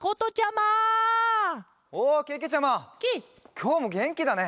きょうもげんきだね。